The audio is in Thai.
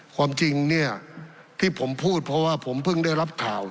ความจริงเนี่ยที่ผมพูดเพราะว่าผมเพิ่งได้รับข่าว